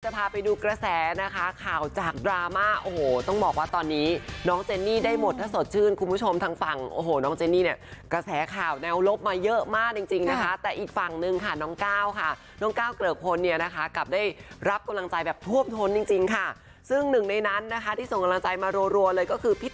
พาไปดูกระแสนะคะข่าวจากดราม่าโอ้โหต้องบอกว่าตอนนี้น้องเจนนี่ได้หมดถ้าสดชื่นคุณผู้ชมทางฝั่งโอ้โหน้องเจนนี่เนี่ยกระแสข่าวแนวลบมาเยอะมากจริงจริงนะคะแต่อีกฝั่งนึงค่ะน้องก้าวค่ะน้องก้าวเกริกพลเนี่ยนะคะกลับได้รับกำลังใจแบบท่วมท้นจริงจริงค่ะซึ่งหนึ่งในนั้นนะคะที่ส่งกำลังใจมารัวเลยก็คือพิ